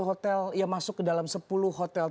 hotel yang masuk ke dalam sepuluh hotel